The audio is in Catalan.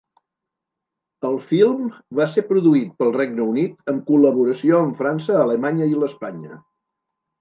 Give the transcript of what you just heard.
El film va ser produït pel Regne Unit en col·laboració amb França, Alemanya i l'Espanya.